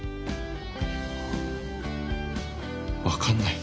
分かんない。